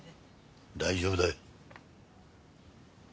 大丈夫だ。